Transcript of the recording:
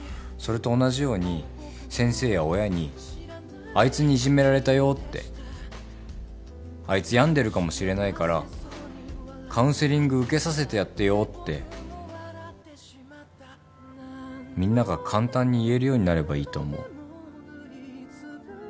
それと同じように先生や親に「あいつにいじめられたよ」って「あいつ病んでるかもしれないからカウンセリング受けさせてやってよ」ってみんなが簡単に言えるようになればいいと思う。